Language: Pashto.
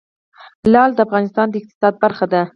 لعل د افغانستان د اقتصاد برخه ده.